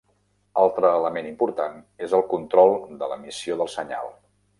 Altre element important és el control de l'emissió del senyal.